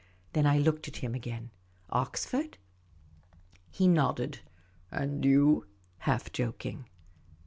Then I looked at him again. "Oxford?" He nodded. " And you ?" half joking.